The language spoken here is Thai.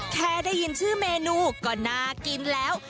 แค่ได้ยินชื่อเมนูก็น่ากินแล้ว